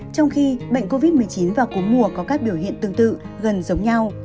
trong khi bệnh covid một mươi chín và cúm mùa có các biểu hiện tương tự gần giống nhau